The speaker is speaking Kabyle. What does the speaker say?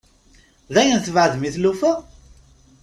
Dayen tbeɛɛdem i tlufa?